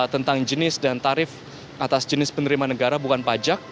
tentang jenis dan tarif atas jenis penerimaan negara bukan pajak